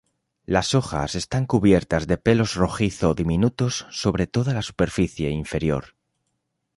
Las hojas están cubiertas de pelos rojizo diminutos sobre toda la superficie inferior.